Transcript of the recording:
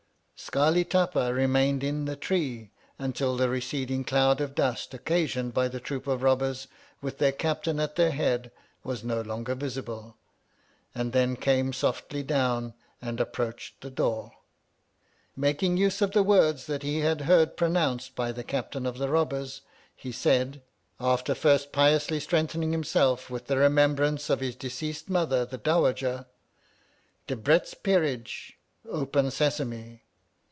Scarli Tapa remained in the tree until the receding cloud of dust occasioned by the troop of robbers with their captain at their head, was no longer visible, and then came softly down and approached the door. Making use of the words that he had heard pro nounced by the Captain of the Robbers, he said, after first piously strengthening himself with the remembrance of his deceased mother the Dowajah, Debrett's Peerage. Open Sesame